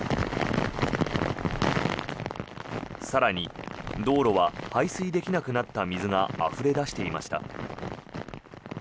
更に、道路は排水できなくなった水があふれ出していました。